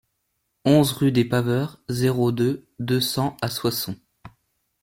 onze rue des Paveurs, zéro deux, deux cents à Soissons